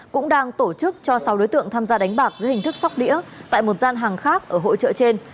cũng đang tổ chức cho sáu đối tượng tham gia đánh bạc dưới hình thức sóc đĩa tại một gian hàng khác ở hội trợ trên